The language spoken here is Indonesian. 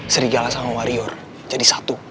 serigala sama warrior jadi satu